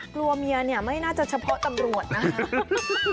กลัวเมียเนี่ยไม่น่าจะเฉพาะตำรวจนะครับ